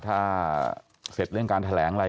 ถ้าเสร็จเรื่องการแถลงอะไร